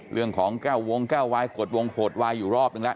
เรื่องของแก้ววงแก้ววายขวดวงขวดวายอยู่รอบนึงแล้ว